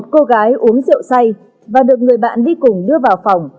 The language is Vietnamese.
cô gái uống rượu say và được người bạn đi cùng đưa vào phòng